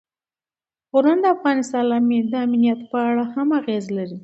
غرونه د افغانستان د امنیت په اړه هم اغېز لري.